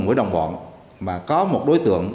của đồng bọn mà có một đối tượng